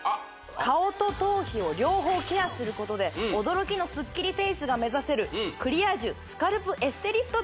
顔と頭皮を両方ケアすることで驚きのスッキリフェイスが目指せるあら！